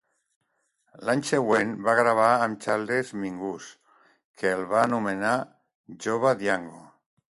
L'any següent va gravar amb Charles Mingus, que el va anomenar "Jove Django".